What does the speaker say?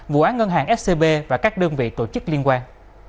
vụ án ngân hàng scb và các đơn vị tổ chức liên quan